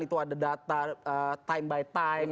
itu ada data time by time